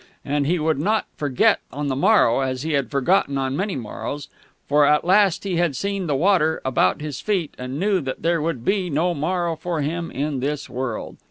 And he would not forget on the morrow, as he had forgotten on many morrows, for at last he had seen the water about his feet, and knew that there would be no morrow for him in this world....